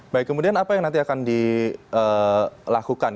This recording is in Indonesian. baik kemudian apa yang nanti akan dilakukan